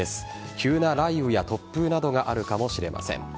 急な雷雨や突風などがあるかもしれません。